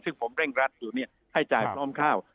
ซึ่งผมเร่งรัดอยู่ให้จ่ายพร้อมข้าว